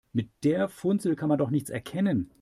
Mit der Funzel kann man doch nichts erkennen.